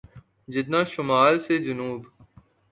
جتنا شمال سے جنوب۔